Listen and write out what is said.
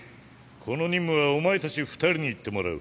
この任務はお前たち二人に行ってもらう。